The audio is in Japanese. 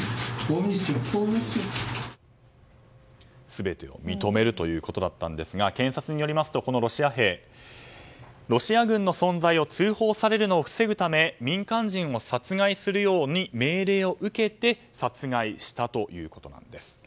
全てを認めるということだったんですが検察によりますとこのロシア兵ロシア軍の存在を通報されるのを防ぐため民間人を殺害するように命令を受けて殺害したということなんです。